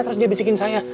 terus dia bisikin saya